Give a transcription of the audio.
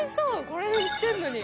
これで売ってるのに。